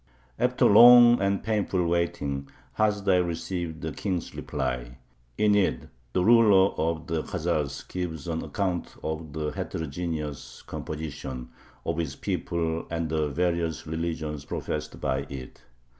After long and painful waiting Hasdai received the King's reply. In it the ruler of the Khazars gives an account of the heterogeneous composition of his people and the various religions professed by it.